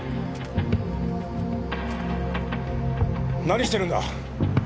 何してるんだ！